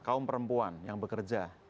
kaum perempuan yang bekerja